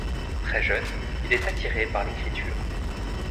Très jeune, il est attiré par l'écriture.